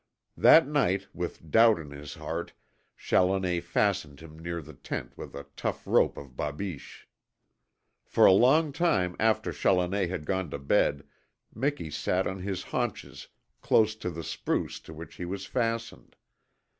That night, with doubt in his heart, Challoner fastened him near the tent with a tough rope of babiche. For a long time after Challoner had gone to bed Miki sat on his haunches close to the spruce to which he was fastened.